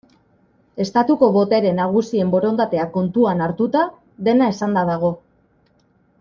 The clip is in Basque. Estatuko botere nagusien borondatea kontuan hartuta, dena esanda dago.